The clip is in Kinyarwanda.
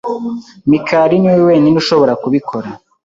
Mikali niwe wenyine ushobora kubikora.